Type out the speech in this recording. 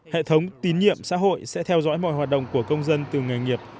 hệ thống tín nhiệm xã hội sẽ theo dõi mọi hoạt động của công dân từ nghề nghiệp